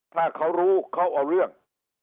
ถ้าเขารู้เขาเอาเรื่อง